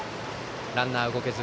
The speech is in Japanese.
ランナー、動けず。